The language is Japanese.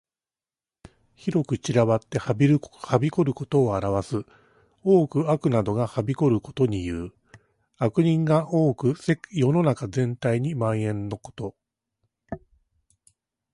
広く散らばってはびこることを表す。多く悪などがはびこることにいう。悪人が多く世の中全体に蔓延ること。